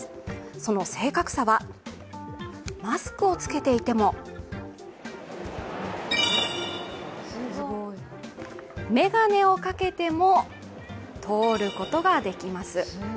その正確さは、マスクを着けていても眼鏡をかけても通ることができます。